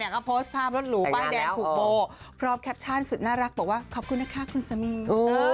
ก็โพสต์ภาพรถหรูป้ายแดงผูกโบพร้อมแคปชั่นสุดน่ารักบอกว่าขอบคุณนะคะคุณสามี